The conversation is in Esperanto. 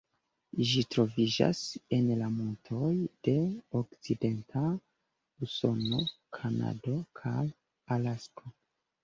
Ĝi troviĝas en la montoj de okcidenta Usono, Kanado kaj Alasko.